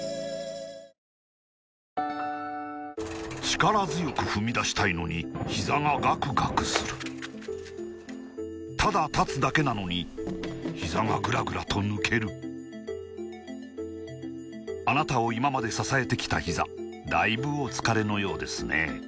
力強く踏み出したいのにひざがガクガクするただ立つだけなのにひざがグラグラと抜けるあなたを今まで支えてきたひざだいぶお疲れのようですね